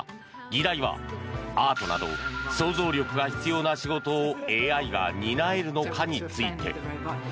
議題は、アートなど創造力が必要な仕事をＡＩが担えるのかについて。